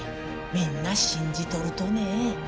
みんな信じとるとね。